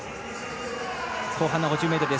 後半の５０ｍです。